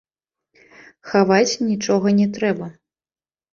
Хаваць нічога не трэба.